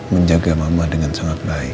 menjaga mama dengan sangat baik